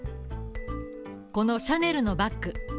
このシャネルのバッグ